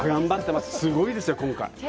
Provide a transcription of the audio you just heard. すごいですよ、今回。